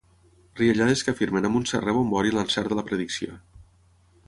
Riallades que afirmen amb un cert rebombori l'encert de la predicció.